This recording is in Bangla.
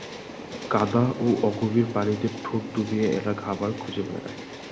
কাদা ও অগভীর পানিতে ঠোঁট ডুবিয়ে এরা খাবার খুঁজে বেড়ায়।